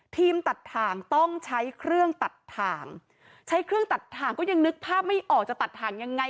ตัดถ่างต้องใช้เครื่องตัดถ่างใช้เครื่องตัดถ่างก็ยังนึกภาพไม่ออกจะตัดถ่างยังไง